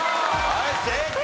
はい正解！